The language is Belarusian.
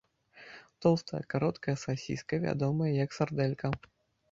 Тоўстая кароткая сасіска вядомая як сардэлька.